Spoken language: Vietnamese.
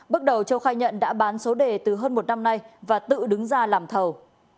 bước đầu châu khai nhận đã bán số đề từ hơn một năm nay và tự đứng ra làm thầu